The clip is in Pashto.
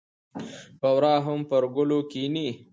بورا هم پر ګلو کېني.